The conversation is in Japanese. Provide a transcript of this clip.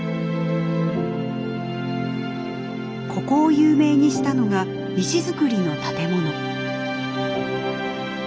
ここを有名にしたのが石造りの建物。